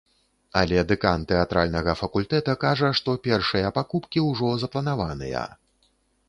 Але дэкан тэатральнага факультэта кажа, што першыя пакупкі ўжо запланаваныя.